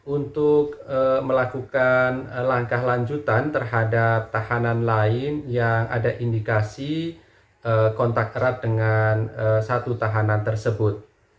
untuk melakukan langkah lanjutan terhadap tahanan lain yang ada indikasi kontak erat dengan satu tahanan tersebut